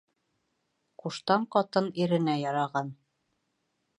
Ҡуштан ҡатын иренә яраған.